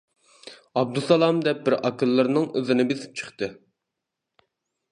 ئابدۇسالام دەپ بىر ئاكىلىرىنىڭ ئىزىنى بېسىپ چىقتى.